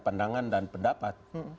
pandangan dan pendapat